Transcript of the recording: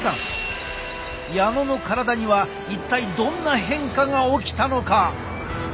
矢野の体には一体どんな変化が起きたのか？